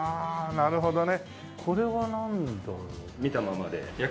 なるほどね。